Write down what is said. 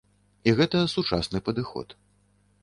І гэта сучасны падыход.